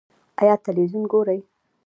ایا تلویزیون ګورئ؟